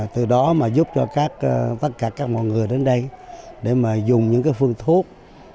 từ đó mà giúp cho tất cả các mọi người đến đây để mà dùng những cái phương thuốc